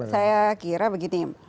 saya kira begini